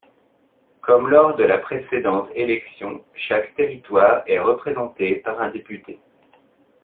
Comme lors de la précédente élection, chaque territoire est représenté par un député.